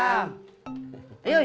abis belanja be